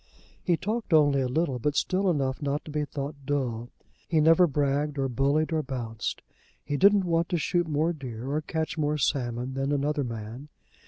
He talked only a little, but still enough not to be thought dull. He never bragged or bullied or bounced. He didn't want to shoot more deer or catch more salmon than another man.